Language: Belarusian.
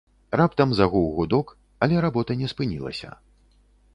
Раптам загуў гудок, але работа не спынілася.